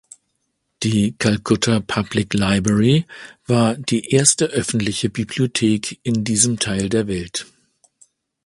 Die "Calcutta Public Library" war die erste öffentliche Bibliothek in diesem Teil der Welt.